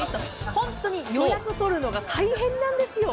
本当に予約取るのが大変なんですよ。